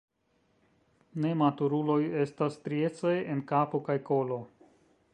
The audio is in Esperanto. Nematuruloj estas striecaj en kapo kaj kolo.